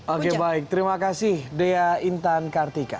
oke baik terima kasih dea intan kartika